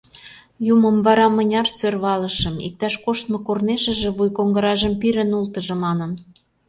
Юмым вара мыняр сӧрвалышым — иктаж коштмо корнешыже вуйкоҥгыражым пире нултыжо манын.